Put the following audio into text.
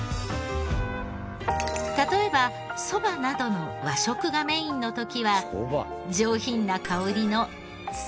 例えばそばなどの和食がメインの時は上品な香りの月。